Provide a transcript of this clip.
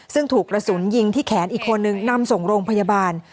ซึ่งถูกกระสุนยิงที่แขนอีกคนนึงนำส่งโรงพยาบาล